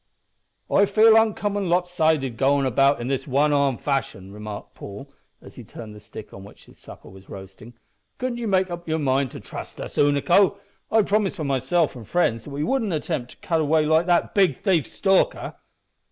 "I feel uncommon lopsided goin' about in this one armed fashion," remarked Paul, as he turned the stick on which his supper was roasting. "Couldn't ye make up yer mind to trust us, Unaco? I'd promise for myself an' friends that we wouldn't attempt to cut away like that big thief Stalker."